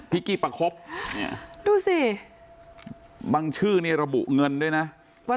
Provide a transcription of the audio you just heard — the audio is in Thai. กี้ประคบดูสิบางชื่อนี่ระบุเงินด้วยนะว่า